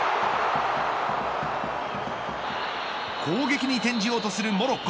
攻撃に転じようとするモロッコ